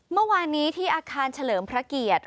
เมื่อวานนี้ที่อาคารเฉลิมพระเกียรติ